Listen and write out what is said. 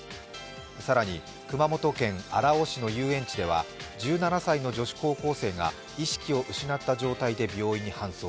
更に熊本県荒尾市の遊園地では１７歳の女子高校生が意識を失った状態で病院に搬送。